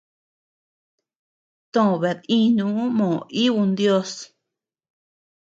To bed inuu moo ibu ndios.